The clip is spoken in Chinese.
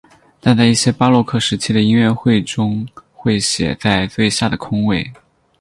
但在一些巴洛克时期的音乐中会写在最下的空位。